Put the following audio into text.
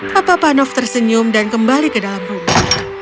papa panov tersenyum dan kembali ke dalam rumah